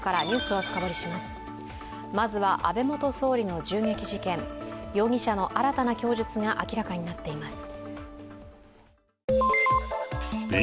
まずは、安倍元総理の銃撃事件。容疑者の新たな供述が明らかになっています。